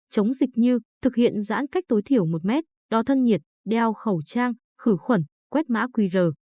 chống dịch như thực hiện giãn cách tối thiểu một mét đo thân nhiệt đeo khẩu trang khử khuẩn quét mã qr